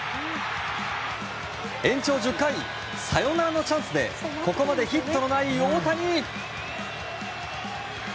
延長１０回サヨナラのチャンスでここまでヒットのない大谷。